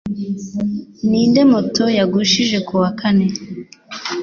Ninde Moto yagushije kuwa kane